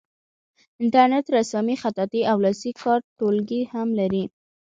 انټرنیټ رسامي خطاطي او لاسي کار ټولګي هم لري.